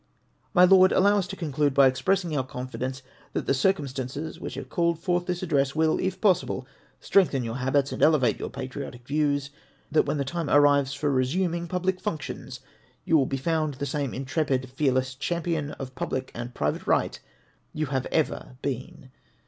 My Lord, allow us to conclude by expressing our confi dence that the circumstances which have called forth this address will, if possible, strengthen your habits, and elevate your patriotic views, that when the time arrives for resuming public functions, you will be found the same intrepid, fearless champion of public and private right you have ever been.